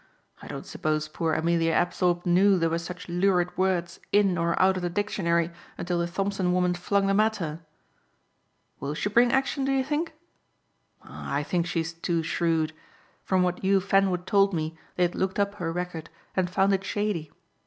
I don't suppose poor Amelia Apthorpe knew there were such lurid words in or out of the dictionary until the Thompson woman flung them at her." "Will she bring action, do you think?" "I think she's too shrewd. From what Hugh Fanwood told me they had looked up her record and found it shady.